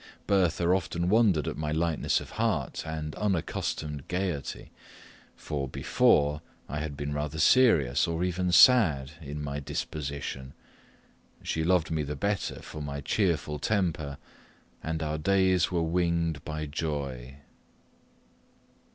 Bertha often wondered at my lightness of heart and unaccustomed gaiety; for, before, I had been rather serious, or even sad, in my disposition. She loved me the better for my cheerful temper, and our days were winged by joy.